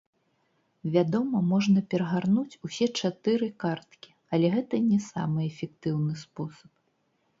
Вядома, можна перагарнуць усе чатыры карткі, але гэта не самы эфектыўны спосаб.